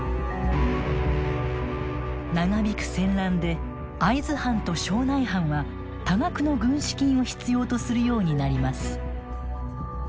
長引く戦乱で会津藩と庄内藩は多額の軍資金を必要とするようになります。